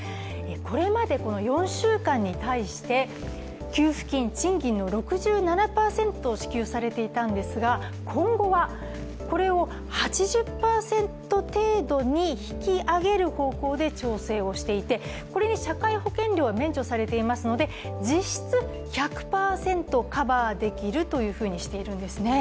これまで４週間に対して、給付金、賃金の６７％支給されていたんですが今後はこれを８０％程度に引き上げる方向で調整をしていて、これに社会保険料が免除されていますので実質１００％カバーできるとしているんですね。